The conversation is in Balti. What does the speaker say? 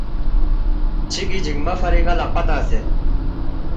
چیگی جینگمہ فری نہ لقپہ تنگسے